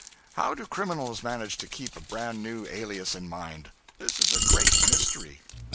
How do criminals manage to keep a brand new _alias _in mind? This is a great mystery.